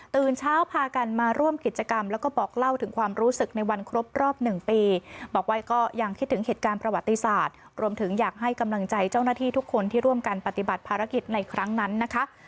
เช้าพากันมาร่วมกิจกรรมแล้วก็บอกเล่าถึงความรู้สึกในวันครบรอบหนึ่งปีบอกว่าก็ยังคิดถึงเหตุการณ์ประวัติศาสตร์รวมถึงอยากให้กำลังใจเจ้าหน้าที่ทุกคนที่ร่วมกันปฏิบัติภารกิจในครั้งนั้นนะคะ